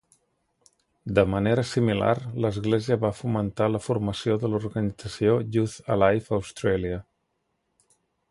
De manera similar, l'església va fomentar la formació de l'organització Youth Alive Australia.